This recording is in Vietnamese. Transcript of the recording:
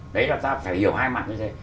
đấy là ta phải hiểu hai mặt như thế